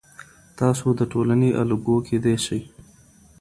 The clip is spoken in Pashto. تاسو د ټولنې الګو کیدی سئ.